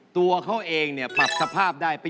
ตัวเขาเองปรับสภาพได้